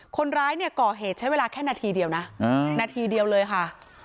คนร้ายเนี่ยก่อเหตุใช้เวลาแค่นาทีเดียวนะนาทีเดียวเลยค่ะ